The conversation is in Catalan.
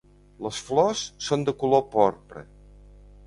Les flors són de color porpra.